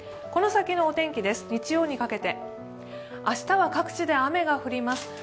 この先のお天気です、日曜にかけて明日は各地で雨が降ります。